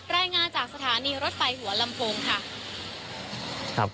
รายงานจากสถานีรถไฟหัวลำโพงค่ะ